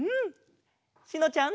しのちゃん。